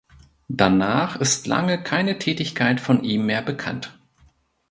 Danach ist lange keine Tätigkeit von ihm mehr bekannt.